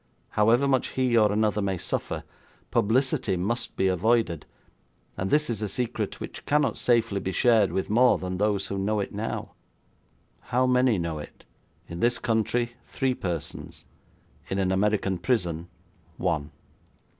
However much he or another may suffer, publicity must be avoided, and this is a secret which cannot safely be shared with more than those who know it now.' 'How many know it?' 'In this country, three persons. In an American prison, one.'